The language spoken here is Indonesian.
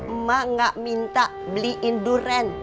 emak gak minta beliin durian